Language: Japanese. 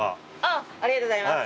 ありがとうございます。